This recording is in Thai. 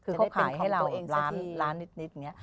คือเขาขายให้เราเองล้านนิดอย่างนี้